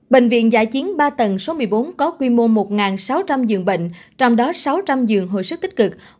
bệnh viện giã chiến ba tầng số một mươi bốn có quy mô một sáu trăm linh giường bệnh trong đó sáu trăm linh giường hồi sức tích cực